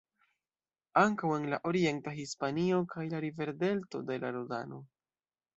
Ankaŭ en la orienta Hispanio kaj la riverdelto de la Rodano.